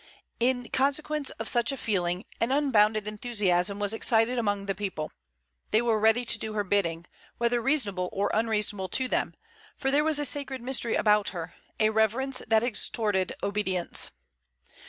In consequence of such a feeling an unbounded enthusiasm was excited among the people. They were ready to do her bidding, whether reasonable or unreasonable to them, for there was a sacred mystery about her, a reverence that extorted obedience.